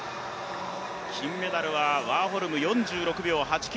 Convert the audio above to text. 金メダルはワーホルム４６秒８９。